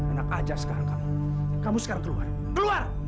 anak aja sekarang kamu kamu sekarang keluar keluar